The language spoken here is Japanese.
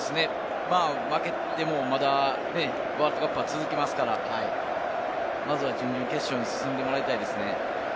負けてもまだワールドカップは続きますから、まずは準々決勝に進んでもらいたいですね。